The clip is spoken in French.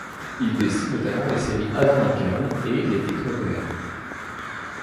Il dessine notamment les séries Avant l'Incal et Les Technopères.